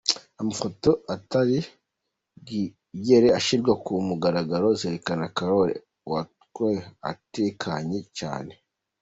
Amafoto atari bwigere ashirwa ku mugaragaro zerelkana Karol Wojtyla atekanye cane.